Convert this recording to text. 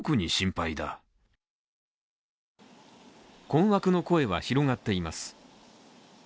困惑の声は広がっています。